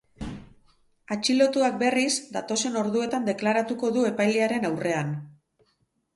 Atxilotuak, berriz, datozen orduetan deklaratuko du epailearen aurrean.